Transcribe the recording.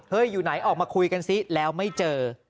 อยู่ไหนออกมาคุยกันซิแล้วไม่เจอ